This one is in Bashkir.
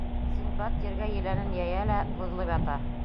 Синдбад ергә еләнен йәйә лә һуҙылып ята.